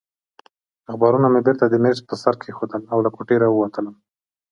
اخبارونه مې بېرته د مېز پر سر کېښودل او له کوټې راووتلم.